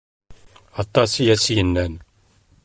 Atas i as-yennan.